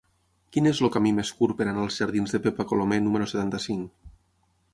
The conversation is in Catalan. Quin és el camí més curt per anar als jardins de Pepa Colomer número setanta-cinc?